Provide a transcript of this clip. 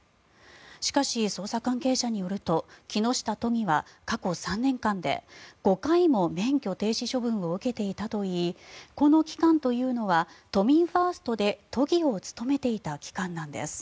しかし、捜査関係者によると木下都議は過去３年間で５回も免許停止処分を受けていたといいこの期間というのは都民ファーストで都議を務めていた期間なんです。